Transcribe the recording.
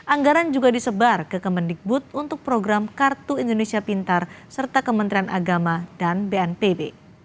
anggaran juga disebar ke kemendikbud untuk program kartu indonesia pintar serta kementerian agama dan bnpb